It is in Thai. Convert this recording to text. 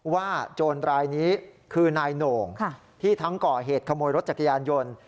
โจรรายนี้คือนายโหน่งที่ทั้งก่อเหตุขโมยรถจักรยานยนต์